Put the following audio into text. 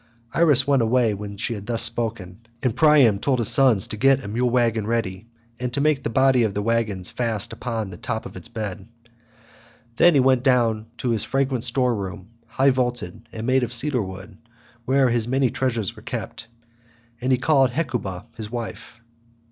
Iris went her way when she had thus spoken, and Priam told his sons to get a mule waggon ready, and to make the body of the waggon fast upon the top of its bed. Then he went down into his fragrant store room, high vaulted, and made of cedar wood, where his many treasures were kept, and he called Hecuba his wife.